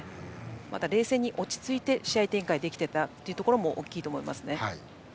また、冷静に落ち着いて試合展開できていたところも大きいと思いますね。